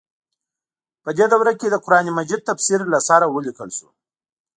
په دې دوره کې د قران مجید تفسیر له سره ولیکل شو.